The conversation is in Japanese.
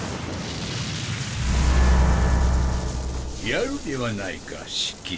やるではないかシキ。